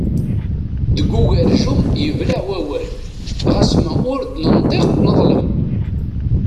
Deg ugerjum yebleɛ wawal, ɣas ma ur d-nenṭiq neḍlem.